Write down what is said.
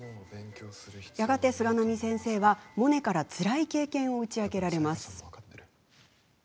やがて、菅波先生はモネからつらい経験を打ち明けられます。